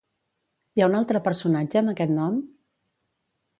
Hi ha un altre personatge amb aquest nom?